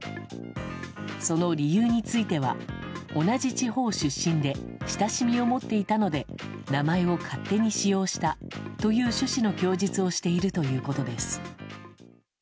その理由については同じ地方出身で親しみを持っていたので名前を勝手に使用したという趣旨の供述をしているということです。